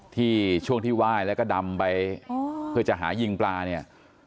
ช่วงที่ไหว้แล้วก็ดำไปเพื่อจะหายิงปลาเนี่ย